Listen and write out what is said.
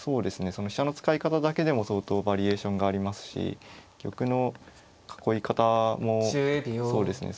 その飛車の使い方だけでも相当バリエーションがありますし玉の囲い方もそうですね